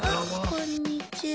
こんにちは。